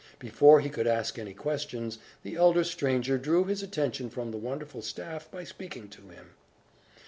Before he could ask any questions, the elder stranger drew his attention from the wonderful staff, by speaking to him.